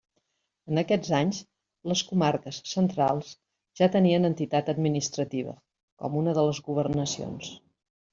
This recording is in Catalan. En aquests anys, les Comarques Centrals ja tenien entitat administrativa, com una de les Governacions.